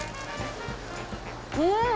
うん！